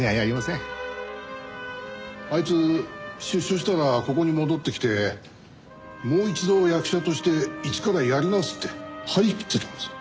あいつ出所したらここに戻ってきてもう一度役者として一からやり直すって張り切ってたんですよ。